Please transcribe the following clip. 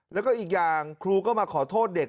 แล้วก็อีกอย่างครูก็มาขอโทษเด็ก